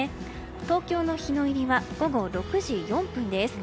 東京の日の入りは午後６時４分です。